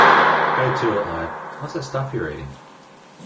Go to it, lad. What's that stuff you're eating?